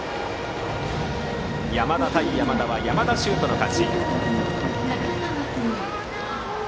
山田対山田は山田修斗の勝ち。